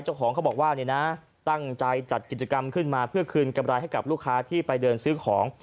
เจ้าของเขาบอกว่าเนี่ยนะตั้งใจจัดกิจกรรมขึ้นมาเพื่อคืนกำไรให้กับลูกค้าที่ไปเดินซื้อของ